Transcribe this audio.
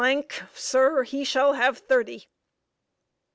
sir, he shall have thirty!"